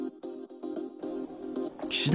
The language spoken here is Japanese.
岸田